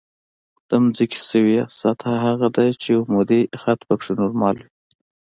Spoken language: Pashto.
د ځمکې سویه سطح هغه ده چې عمودي خط پکې نورمال وي